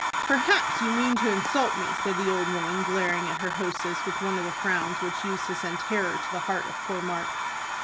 "Perhaps you mean to insult me," said the old woman, glaring at her hostess with one of the frowns which used to send terror to the heart of poor Mark.